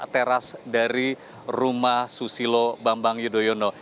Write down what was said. teras dari rumah susilo bambang yudhoyono